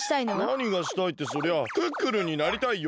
なにがしたいってそりゃクックルンになりたいよ。